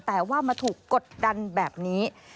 แต่ว่ามาถูกกดดันแบบนี้